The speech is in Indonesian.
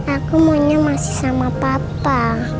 aku maunya masih sama papa